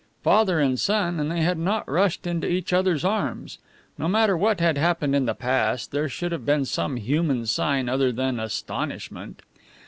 Father and son, and they had not rushed into each other's arms! No matter what had happened in the past, there should have been some human sign other than astonishment.